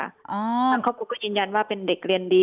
ทางครอบครัวก็ยืนยันว่าเป็นเด็กเรียนดี